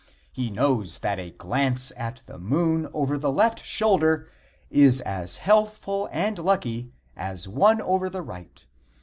He knows that a glance at the moon over the left shoulder is as healthful and lucky as one over the right.